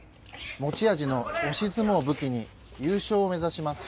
持ち味の押し相撲を武器に優勝を目指します。